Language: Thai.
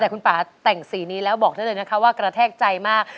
แต่คุณป่าแต่งสีนี้แล้วบอกได้เลยนะคะว่ากระแทกใจมาก